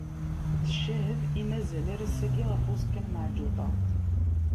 D ccahed i mazal ar ass-agi ɣef uẓekka n Meɛǧuṭa.